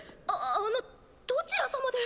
あのどちらさまで。